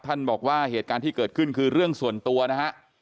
บอกว่าเหตุการณ์ที่เกิดขึ้นคือเรื่องส่วนตัวนะฮะ